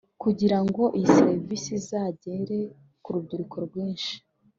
Kugira ngo iyi serivisi izagere ku rubyiruko rwinshi